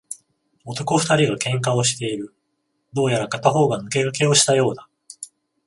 男二人が喧嘩をしている。どうやら片方が抜け駆けをしたようだ。